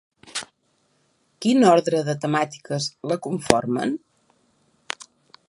Quin ordre de temàtiques la conformen?